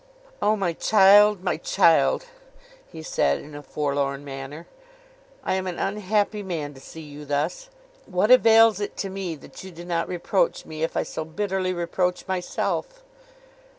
'O my child, my child!' he said, in a forlorn manner, 'I am an unhappy man to see you thus! What avails it to me that you do not reproach me, if I so bitterly reproach myself!